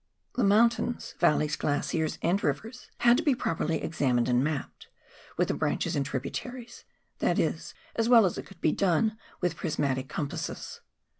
297 The mountains, valleys, glaciers and rivers had to be pro perly examined and mapped, with the branches and tribu taries — that is, as well as it could be done with prismatic compasses.